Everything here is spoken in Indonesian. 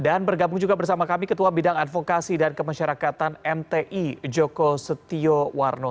dan bergabung juga bersama kami ketua bidang advokasi dan kemasyarakatan mti joko setio warno